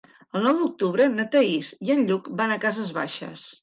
El nou d'octubre na Thaís i en Lluc van a Cases Baixes.